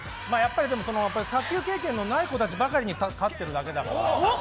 卓球経験のない子たちに勝ってるだけだから。